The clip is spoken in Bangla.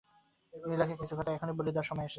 লীনাকে কিছু কথা এখনি বলে দেয়ার সময় এসেছে।